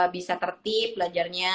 bisa tertip belajarnya